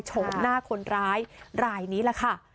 โฉมหน้าคนร้ายรายนี้แหละค่ะ